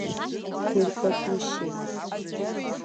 Дыргагәышьеит.